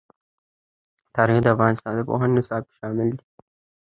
تاریخ د افغانستان د پوهنې نصاب کې شامل دي.